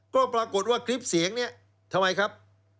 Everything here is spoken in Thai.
ก็ปรากฏว่าคลิปเสียงนี้ทำไมครับ